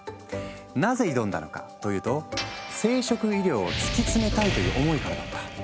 なぜ挑んだのかというと生殖医療をつきつめたいという思いからだった。